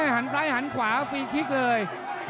หันซ้ายหันขวาฟรีคลิกเลย